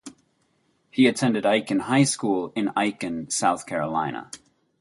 He attended Aiken High School in Aiken, South Carolina.